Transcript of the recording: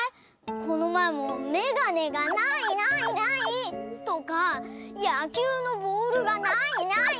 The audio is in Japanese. このまえも「めがねがないないない」とか「やきゅうのボールがないないない」とかいってたよね？